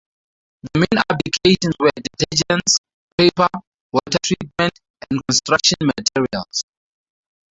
The main applications were in detergents, paper, water treatment, and construction materials.